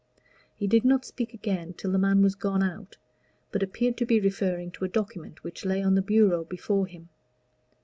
He did not speak again till the man was gone out, but appeared to be referring to a document which lay on the bureau before him.